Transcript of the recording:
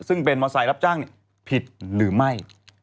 ซึ่งเป็นมอเซล์รับจ้างผิดหรือไม่